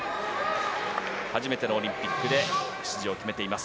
初めてのオリンピックで出場を決めています。